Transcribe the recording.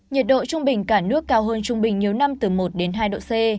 nhiệt độ trung bình cả nước cao hơn trung bình nhiều năm từ một đến hai độ c